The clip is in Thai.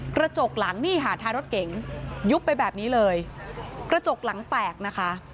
กระจกหลังนี่ค่ะท้ายรถเก๋งยุบไปแบบนี้เลยกระจกหลังแตกนะคะ